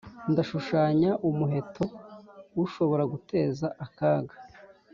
ndashushanya umuheto ushobora guteza akaga?